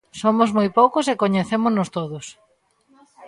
Somos moi poucos e coñecémonos todos.